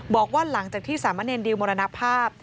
บอกว่าหลังจากที่สามะเนรดิวมรณภาพ